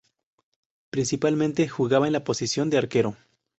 Principalmente jugaba en la posición de arquero.